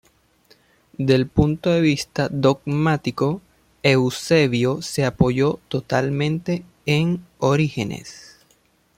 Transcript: Del punto de vista dogmático, Eusebio se apoya totalmente en Orígenes.